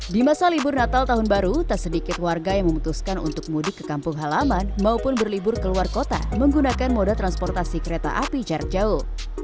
di masa libur natal tahun baru tak sedikit warga yang memutuskan untuk mudik ke kampung halaman maupun berlibur ke luar kota menggunakan moda transportasi kereta api jarak jauh